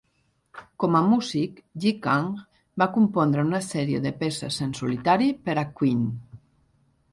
Com a músic, Ji Kang va compondre una sèrie de peces en solitari per a Qin.